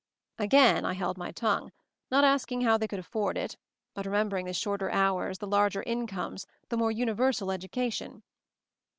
Again I held my tongue; not asking how they could afford it, but remembering the shorter hours, the larger incomes, the more universal education.